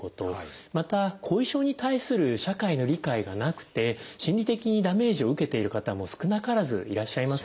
また後遺症に対する社会の理解がなくて心理的にダメージを受けている方も少なからずいらっしゃいます。